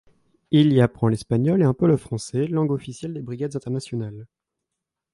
Il y apprend l’espagnol et un peu le français, langue officielle des Brigades internationales.